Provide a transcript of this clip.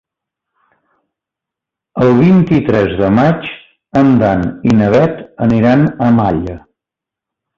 El vint-i-tres de maig en Dan i na Bet aniran a Malla.